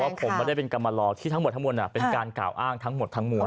เขาบอกว่าผมไม่ได้เป็นกำมาลองที่ทั้งหมดทั้งหมดเป็นการกล่าวอ้างทั้งหมดทั้งหมวด